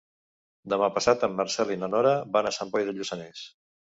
Demà passat en Marcel i na Nora van a Sant Boi de Lluçanès.